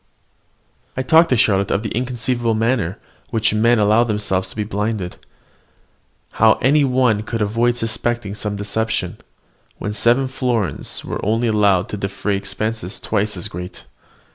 I talked with Charlotte of the inconceivable manner in which men allow themselves to be blinded; how any one could avoid suspecting some deception, when seven florins only were allowed to defray expenses twice as great.